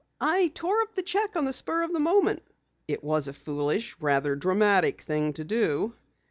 "I tore up the cheque on the spur of the moment." "It was a foolish, rather dramatic thing to do.